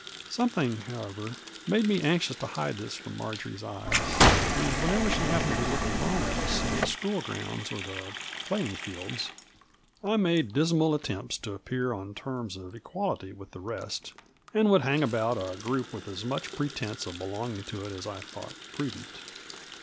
Something, however, made me anxious to hide this from Marjory's eyes ; and whenever she happened to be looking on at us in the school grounds or the playing fields, I made dismal attempts to appear on terms of equality with the rest, and would hang about a group with as much pretense of belonging to it as I thought prudent.